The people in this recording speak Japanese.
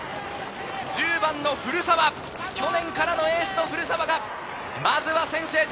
１０番の古澤、去年からのエースの古澤がまずは先制点！